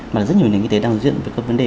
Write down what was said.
mà rất nhiều nền kinh tế đang diện về các vấn đề